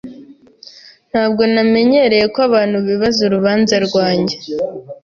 Ntabwo namenyereye ko abantu bibaza urubanza rwanjye.